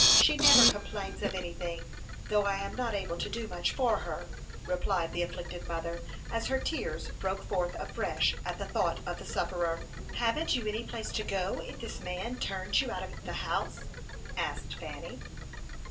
She never complains of anything, though I am not able to do much for her," replied the afflicted mother, as her tears broke forth afresh at the thought of the sufferer. "Haven't you any place to go if this man turns you out of the house?" asked Fanny.